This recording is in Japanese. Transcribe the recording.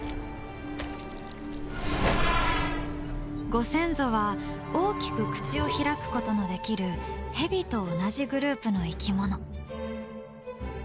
ご先祖は大きく口を開くことのできるヘビと同じグループの生き物。